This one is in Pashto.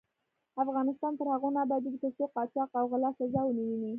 افغانستان تر هغو نه ابادیږي، ترڅو قاچاق او غلا سزا ونه ويني.